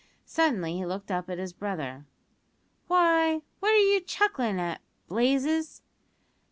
Suddenly he looked up at his brother. "Why, what are you chucklin' at, Blazes?"